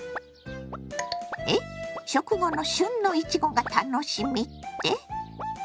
食後の旬のいちごが楽しみって？